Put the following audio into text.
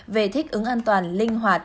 về thích ứng an toàn linh hoạt